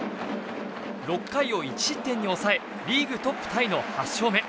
６回を１失点に抑えリーグトップタイの８勝目。